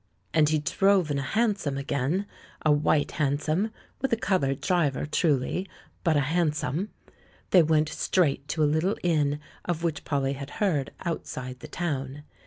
And he drove in a hansom again — a white hansom, with a coloured di'iver truly, but a han som ! They went straight to a little inn, of which Polly had heard, outside the town.